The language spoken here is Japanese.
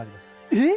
えっ！